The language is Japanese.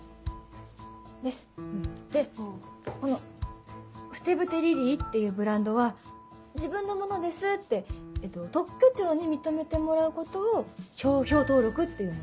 この「ふてぶてリリイ」っていうブランドは自分のものですって特許庁に認めてもらうことを商標登録っていうのね。